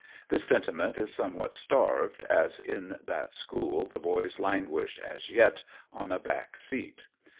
This sentiment is somewhat starved, as in that school the boys languish, as yet, on a back seat.